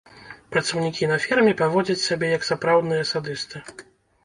Працаўнікі на ферме паводзяць сябе як сапраўдныя садысты.